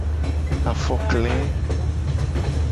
Afokle.